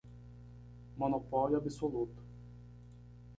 Monopólio absoluto